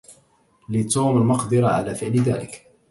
لتوم المقدرة على فعل ذلك.